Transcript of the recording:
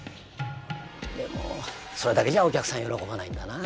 でもそれだけじゃお客さん喜ばないんだな。